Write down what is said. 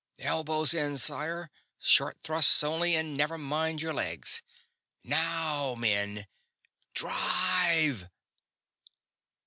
Elbows in, sire. Short thrusts only, and never mind your legs. Now, men _DRIVE!